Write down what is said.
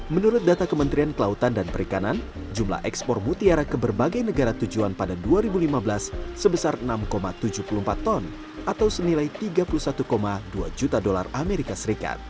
menurut data kementerian kelautan dan perikanan jumlah ekspor mutiara ke berbagai negara tujuan pada dua ribu lima belas sebesar enam tujuh puluh empat ton atau senilai tiga puluh satu dua juta dolar as